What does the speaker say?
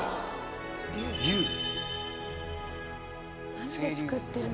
何で作ってるの？